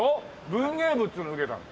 文芸部っつうの受けたの。